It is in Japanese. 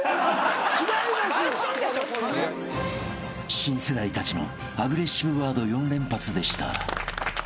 ［新世代たちのアグレッシブワード４連発でした］